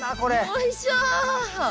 おいしょ。